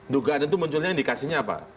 dugaan itu munculnya indikasinya apa